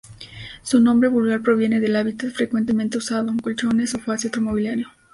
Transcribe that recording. Su nombre vulgar proviene del hábitat frecuentemente usado: colchones, sofás y otro mobiliario.